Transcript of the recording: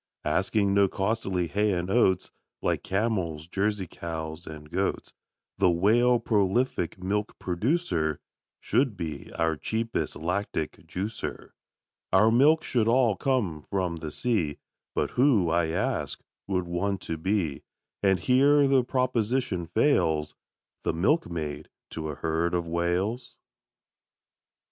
Asking no costly hay and oats, Like camels, Jersey cows, and goats, The Whale, prolific milk producer, Should be our cheapest lactic juicer. Our milk should all come from the sea, But who, I ask, would want to be, And here the proposition fails, The milkmaid to a herd of Whales?